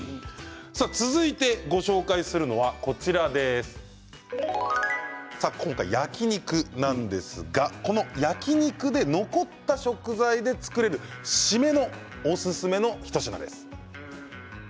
続いてご紹介するのは焼き肉なんですが焼き肉で残った食材で作れる締めにおすすめの一品です。